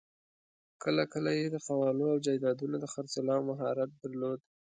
کله کله یې د قوالو او جایدادونو د خرڅلاوو مهارت درلود.